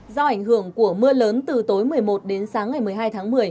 do ảnh hưởng của mưa lớn từ tối một mươi một đến sáng ngày một mươi hai tháng một mươi